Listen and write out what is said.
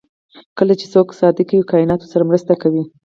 کله چې څوک صادق وي کائنات ورسره مرسته کوي.